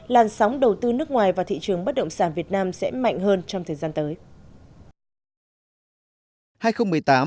làn sóng đầu tư nước ngoài và thị trường bất động sản việt nam sẽ mạnh hơn trong thời gian tới